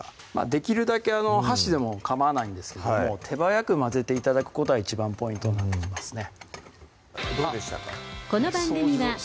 できるだけ箸でもかまわないんですけども手早く混ぜて頂くことが一番ポイントになってきますね